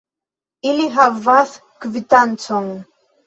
Ili havas kvitancon.